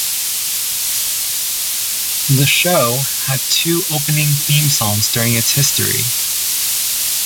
The show had two opening theme songs during its history.